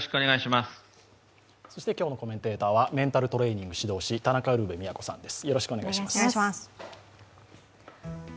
今日のコメンテーターはメンタルトレーニング指導士田中ウルヴェ京さんです。